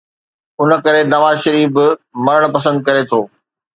ان ڪري نواز شريف به مرڻ پسند ڪري ٿو.